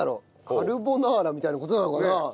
カルボナーラみたいな事なのかな？